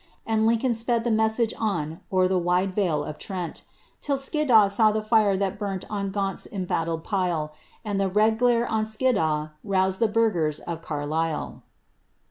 And Lincoln (pod the message on o'er the wide vale of Trent; Till Skiddaw saw the fire that bum'd on Gaiint's emballird pile, And Uie red glare on Skiddaw roused the burghers of Carlisle."